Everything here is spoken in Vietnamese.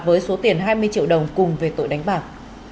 với số tiền hai mươi triệu đồng cùng về tội đánh bạc